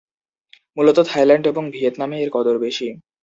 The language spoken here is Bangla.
মূলত থাইল্যান্ড এবং ভিয়েতনামে এর কদর বেশি।